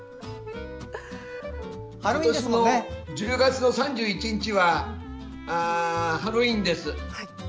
今年も１０月の３１日はハロウィーンです。